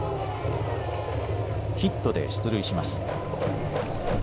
ヒットで出塁します。